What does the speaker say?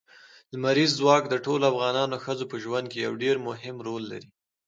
لمریز ځواک د ټولو افغان ښځو په ژوند کې یو ډېر مهم رول لري.